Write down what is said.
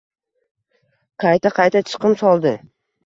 Qayta-qayta chiqim soldi.